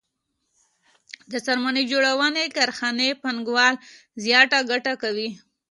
د څرمن جوړونې کارخانې پانګوال زیاته ګټه کوي